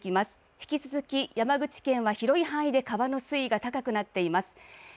引き続き山口県は広い範囲で川の水位が高くなっています。